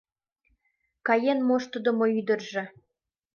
Каен моштыдымо ӱдыржӧ